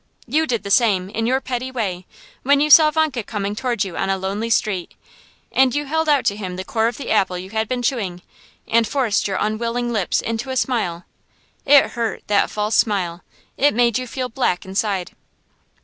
You did the same, in your petty way, when you saw Vanka coming toward you on a lonely street, and you held out to him the core of the apple you had been chewing, and forced your unwilling lips into a smile. It hurt, that false smile; it made you feel black inside.